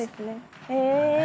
へえ！